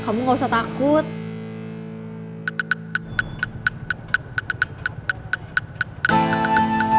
sekarang mana berani berbicara